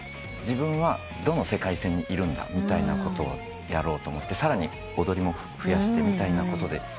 自分はどの世界線にいるんだみたいなことをやろうと思ってさらに踊りも増やしてみたいなことで。